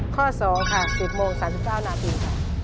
ข้อสอง๑๐โมง๓๙นาที